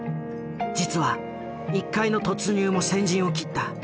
実は１階の突入も先陣を切った。